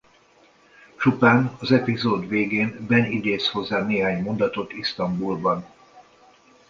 Csupán az epizód végén Ben idéz hozzá néhány mondatot Isztambulban.